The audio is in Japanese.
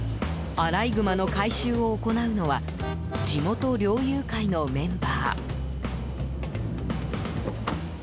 アライグマの回収を行うのは地元猟友会のメンバー。